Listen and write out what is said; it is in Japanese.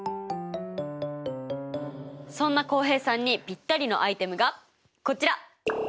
そんな浩平さんにぴったりのアイテムがこちら！